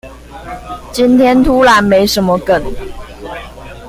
今天突然沒什麼梗